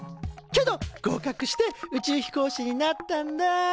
けど合格して宇宙飛行士になったんだ。